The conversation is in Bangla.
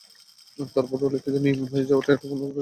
তার পরও অলিখিত নিয়ম হয়ে যাওয়ায় এটা বন্ধ করা যাচ্ছে না।